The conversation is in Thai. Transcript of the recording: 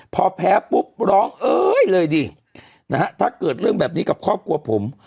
พอแพ้ปุ๊บร้องเอ้ยเลยดินะฮะถ้าเกิดเรื่องแบบนี้กับครอบครัวผม